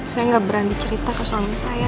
saya nggak berani cerita ke suami saya